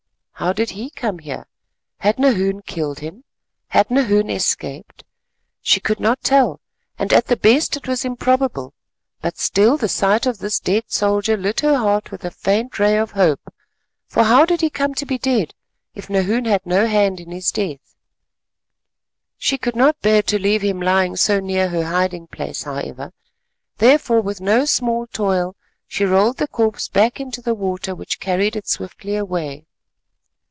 How did he come here? Had Nahoon killed him? Had Nahoon escaped? She could not tell, and at the best it was improbable, but still the sight of this dead soldier lit her heart with a faint ray of hope, for how did he come to be dead if Nahoon had no hand in his death? She could not bear to leave him lying so near her hiding place, however; therefore, with no small toil, she rolled the corpse back into the water, which carried it swiftly away.